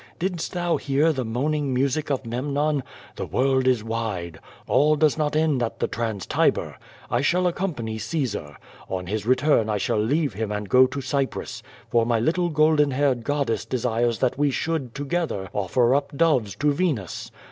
Didst thou hoar the moaning music of Ifemnon? The world is wide. All does not end at the Trans Tiber. I shall accompany Caesar. On his return I shall leave him and go to Cyprus, for my little golden haired goddess desires that we should together offer up doves to Venus.